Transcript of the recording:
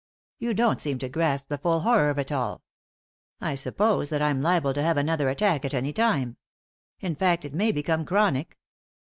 You don't seem to grasp the full horror of it all. I suppose that I'm liable to have another attack at any time. In fact, it may become chronic.